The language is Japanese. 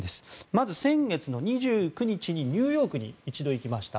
まず先月２９日にニューヨークに一度行きました。